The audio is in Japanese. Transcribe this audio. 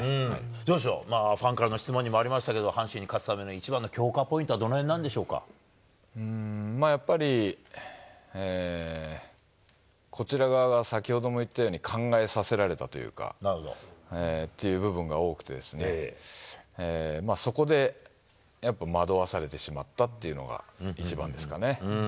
どうでしょう、ファンからの質問にもありましたけれども、阪神に勝つための一番の強化ポイやっぱり、こちら側が先ほども言ったように、考えさせられたというか、っていう部分が多くてですね、そこでやっぱ惑わされてしまったっていうのが、一番ですかね。